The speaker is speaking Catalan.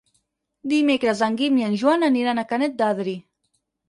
Dimecres en Guim i en Joan aniran a Canet d'Adri.